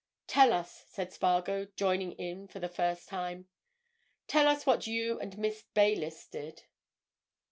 "Tell us," said Spargo, joining in for the first time, "tell us what you and Miss Baylis did?"